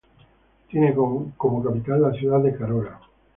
Tiene como capital la ciudad de Carora.